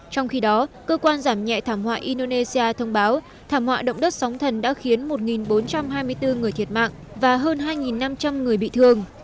trong khi đó cơ quan giảm nhẹ thảm họa indonesia thông báo thảm họa động đất sóng thần đã khiến một bốn trăm hai mươi bốn người thiệt mạng và hơn hai năm trăm linh người bị thương